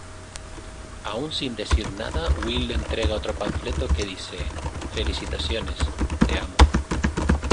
Aún sin decir nada, Will le entrega otro panfleto que dice "Felicitaciones: Te Amo".